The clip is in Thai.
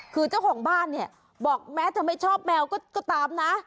คือเจ้าของบ้านเนี่ยบอกแม้จะไม่ชอบแมวก็ตามนะ